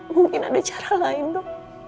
mungkin ada cara lain dok